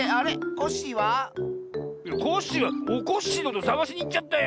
コッシーはおこっしぃのことさがしにいっちゃったよ。